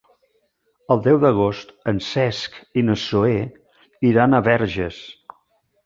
El deu d'agost en Cesc i na Zoè iran a Verges.